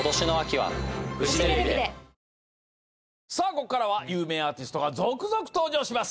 ここからは有名アーティストが続々登場します。